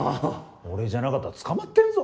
俺じゃなかったら捕まってるぞ。